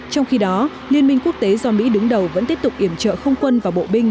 trong khi đó liên minh quốc tế do mỹ đứng đầu vẫn tiếp tục iểm trợ không quân và bộ binh